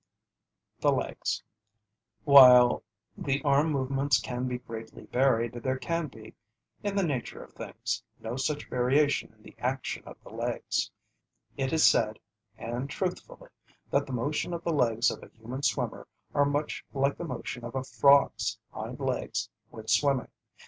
THE LEGS While the arm movements can be greatly varied, there can be, in the nature of things, no such variation in the action of the legs. It is said, and truthfully, that the motion of the legs of a human swimmer are much like the motion of a frog's hind legs when swimming.